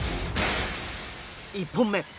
１本目。